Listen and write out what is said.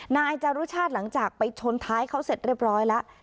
นายจารุชาติหลังจากไปชนท้ายเขาเสร็จเรียบร้อยแล้ว